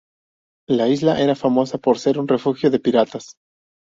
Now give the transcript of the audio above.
La isla era famosa por ser un refugio de piratas.